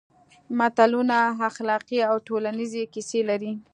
متلونه اخلاقي او ټولنیزې کیسې لري